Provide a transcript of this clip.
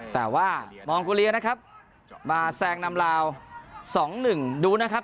แต่ว่ามองโกเลียนะครับมาแซงนำลาว๒๑ดูนะครับ